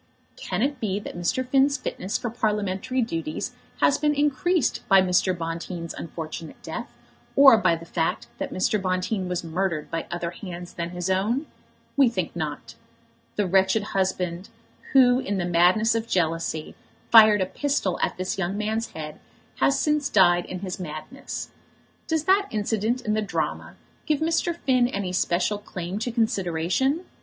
Can it be that Mr. Finn's fitness for Parliamentary duties has been increased by Mr. Bonteen's unfortunate death, or by the fact that Mr. Bonteen was murdered by other hands than his own? We think not. The wretched husband, who, in the madness of jealousy, fired a pistol at this young man's head, has since died in his madness. Does that incident in the drama give Mr. Finn any special claim to consideration?